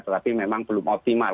tetapi memang belum optimal